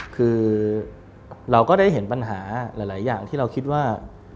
คือเราก็ได้เห็นปัญหาหลายอย่างที่เราคิดว่า